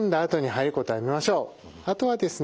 あとはですね